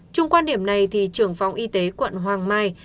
trung quan điểm này thì trưởng phòng y tế quận hoàng mai